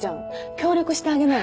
協力してあげなよ。